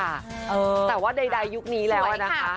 แต่ว่าใดยุคนี้แล้วนะคะ